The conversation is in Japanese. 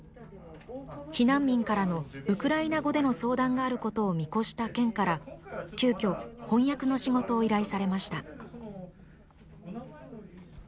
避難民からのウクライナ語での相談があることを見越した県から急きょ翻訳の仕事を依頼されました。